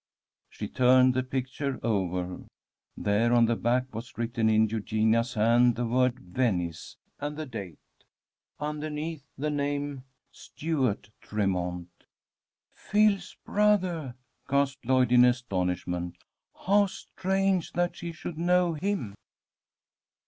She turned the picture over. There on the back was written in Eugenia's hand the word Venice, and a date underneath the name, Stuart Tremont. "Phil's brother!" gasped Lloyd, in astonishment. "How strange that she should know him!"